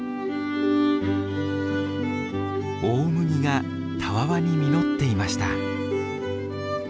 大麦がたわわに実っていました。